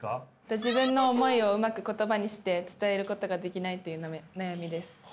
自分の思いをうまく言葉にして伝えることができないという悩みです。